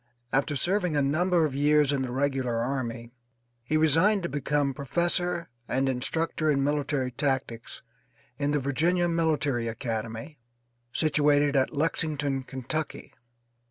After serving a number of years in the regular army he resigned to become professor and instructor in military tactics in the Virginia Military Academy, situated at Lexington, Kentucky.